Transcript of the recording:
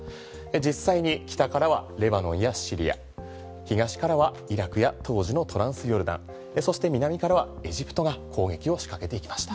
実際に北からはレバノンやシリア東からはイラクや当時のトランスヨルダンそして南からはエジプトが攻撃を仕掛けていきました。